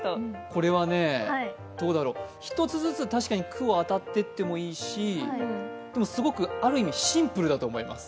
これはね、１つずつ区を当たってってもいいしでも、すごくある意味、シンプルだと思います。